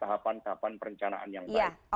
tahapan tahapan perencanaan yang baik